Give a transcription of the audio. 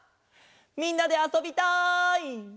みんなであそびたい！